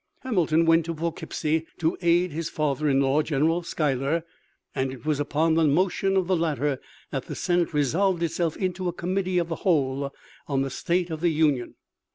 Hamilton went to Poughkeepsie to aid his father in law, General Schuyler, and it was upon the motion of the latter that the Senate resolved itself into a committee of the whole on the state of the nation.